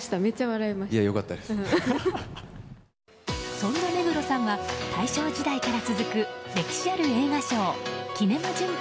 そんな目黒さんは大正時代から続く歴史ある映画賞キネマ旬報